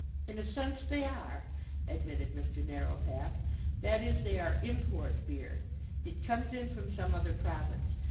"In a sense they are," admitted Mr. Narrowpath. "That is, they are import beer. It comes in from some other province.